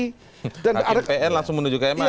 hakim pn langsung menuju kma